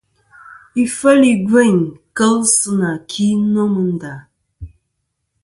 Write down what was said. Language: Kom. Ifel i gveyn kel sɨ nà ki nô mɨ nda.